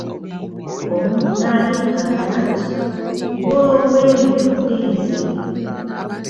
Omuntu n'aleekaana nti, “woowe nfudde nze".